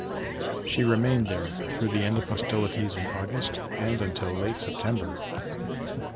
She remained there through the end of hostilities in August and until late September.